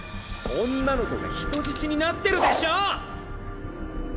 女の子が人質になってるでしょ！